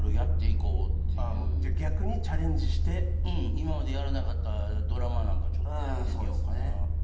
今までやらなかったドラマなんかちょっとやってみようかなって。